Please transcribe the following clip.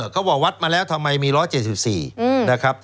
เขาบอกวัดมาแล้วทำไมมี๑๗๔มิลลิเมตร